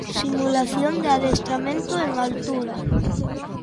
Simulación de adestramento en altura.